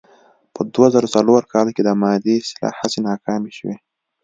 په دوه زره څلور کال کې د مادې اصلاح هڅې ناکامې شوې.